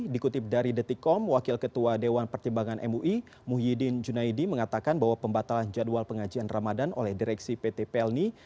dikutip dari detikom wakil ketua dewan pertimbangan mui muhyiddin junaidi mengatakan bahwa pembatalan jadwal pengajian ramadan oleh direksi pt pelni